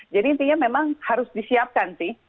jadi intinya memang harus disiapkan sih